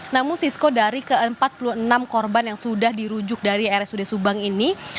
namun sisko dari ke empat puluh enam korban yang sudah dirujuk dari rsud subang ini